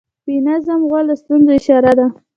بې نظم غول د ستونزې اشاره ده.